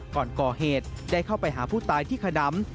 ก่อนก่อเหตุได้เข้าไปหาผู้ตายที่ขนำ